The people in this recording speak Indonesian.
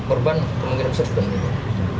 korban kemungkinan besar sudah meninggal